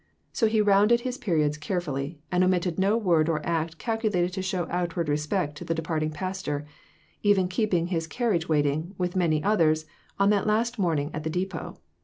So he rounded his periods carefully, and omitted no word or act calculated to show outward respect to the departing pastor ; even keeping his carriage waiting, with many others, on that last morning at the depot.